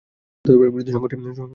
জাতীয়তাবিরোধী সংগঠনের উদয় হচ্ছে।